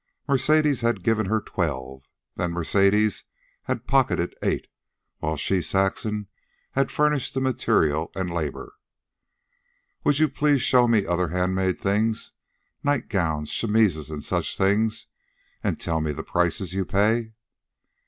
Mercedes had given her twelve. Then Mercedes had pocketed eight, while she, Saxon, had furnished the material and labor. "Would you please show me other hand made things nightgowns, chemises, and such things, and tell me the prices you pay?"